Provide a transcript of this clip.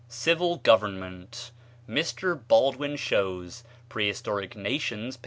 Civil Government. Mr. Baldwin shows ("Prehistoric Nations," p.